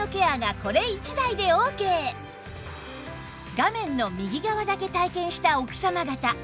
画面の右側だけ体験した奥様方